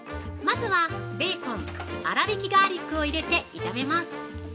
まずはベーコン、粗挽きガーリックを入れて炒めます。